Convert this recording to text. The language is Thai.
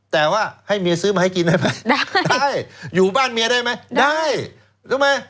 แต่ว่าให้เมียซื้อมาให้กินได้ไหมได้อยู่บ้านเมียได้ไหมได้รู้ไหม